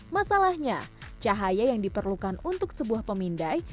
masalahnya cahaya yang diperlukan untuk sebuah pemindai